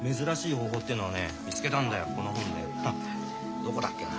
どこだっけな？